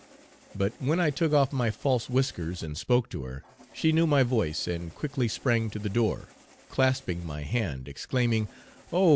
But when I took off my false whiskers, and spoke to her, she knew my voice, and quickly sprang to the door, clasping my hand, exclaiming, "Oh!